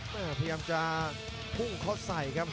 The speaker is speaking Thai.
พยายามจะดูค่าวเส่ยครับ